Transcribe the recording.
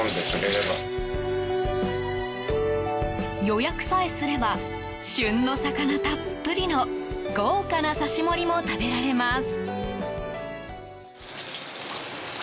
予約さえすれば旬の魚たっぷりの豪華な刺し盛りも食べられます。